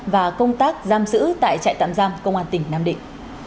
và công tác giam giữ tại trại tạm giam công an tỉnh nam định